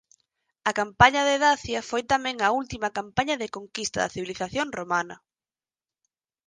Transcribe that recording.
A campaña de Dacia foi tamén a última campaña de conquista da civilización romana.